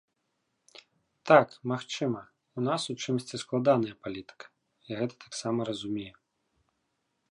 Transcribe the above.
Так, магчыма, у нас у чымсьці складаная палітыка, я гэта таксама разумею.